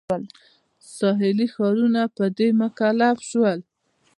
ساحلي ښارونه په دې مکلف شول.